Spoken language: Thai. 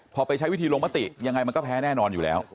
พอไปใช้วิธีลงมติยังไงมันก็แพ้แน่นอนอยู่แล้ว